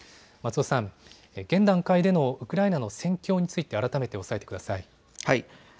松尾さん、現段階でのウクライナの戦況について改めて抑えてください。